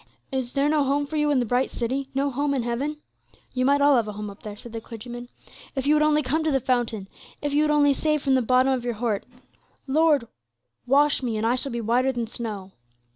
Is there no home for you in the bright city; no home in heaven? "You might all have a home there," said the clergyman, "if you would only come to the fountain, if you would only say from the bottom of your heart, 'Lord, wash me, and I shall be whiter than snow.'"